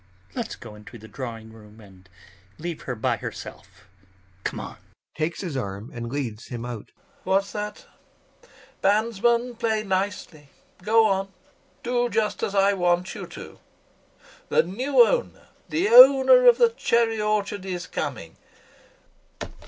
Let's go into the drawing room and leave her by herself... come on.... [Takes his arm and leads him out.] LOPAKHIN. What's that? Bandsmen, play nicely! Go on, do just as I want you to! [Ironically] The new owner, the owner of the cherry orchard is coming!